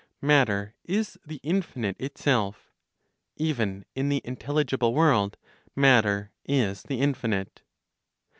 Matter is the infinite itself. Even in the intelligible world, matter is the infinite.